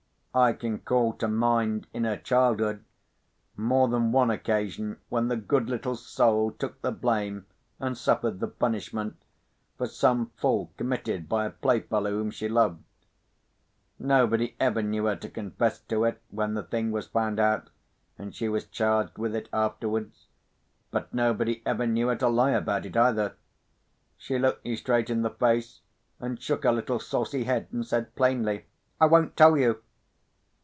I can call to mind, in her childhood, more than one occasion when the good little soul took the blame, and suffered the punishment, for some fault committed by a playfellow whom she loved. Nobody ever knew her to confess to it, when the thing was found out, and she was charged with it afterwards. But nobody ever knew her to lie about it, either. She looked you straight in the face, and shook her little saucy head, and said plainly, "I won't tell you!"